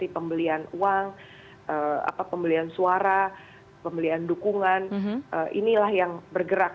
pembelian uang pembelian suara pembelian dukungan inilah yang bergerak